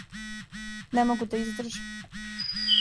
Не могу да издржим.